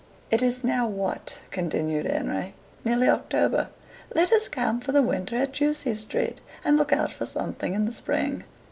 "It is now what?" continued Henry. "Nearly October. Let us camp for the winter at Ducie Street, and look out for something in the spring.